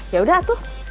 ya udah tuh